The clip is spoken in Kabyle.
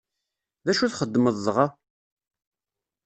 D acu txedmeḍ dɣa?